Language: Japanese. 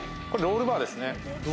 これはロールバーですね。